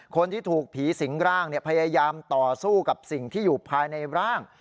คนที่ถูกผีสิงร่างพยายามต่อสู้กับสิ่งที่อยู่ภายในร่าง